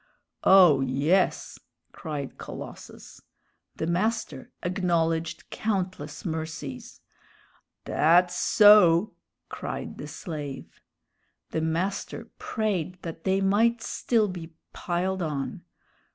"Oh, yes!" cried Colossus. The master acknowledged countless mercies. "Dat's so!" cried the slave. The master prayed that they might still be "piled on."